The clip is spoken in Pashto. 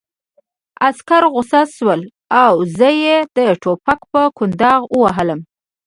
عسکر غوسه شول او زه یې د ټوپک په کونداغ ووهلم